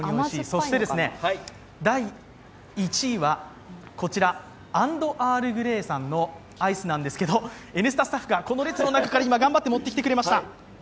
そして第１位は、＆ＥａｒｌＧｒａｙさんのアイスなんですが「Ｎスタ」スタッフがこの列の中から今頑張って持ってきてくれました。